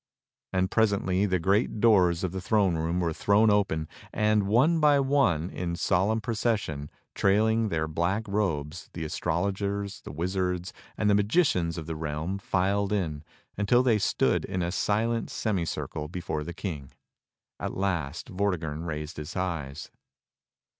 And presently the great doors of the throne room were thrown MERLIN AND HIS PROPHECIES 5 open and, one by one, in solemn procession, trailing their black robes, the astrologers, the wizards and the magicians of the realm filed in, until they stood in a silent semi circle before the King. At last Vortigern raised his eyes.